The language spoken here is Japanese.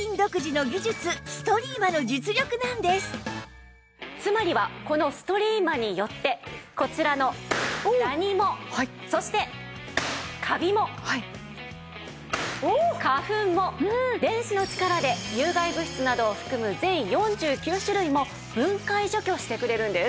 これがつまりはこのストリーマによってこちらのダニもそしてカビも花粉も電子の力で有害物質などを含む全４９種類も分解除去してくれるんです。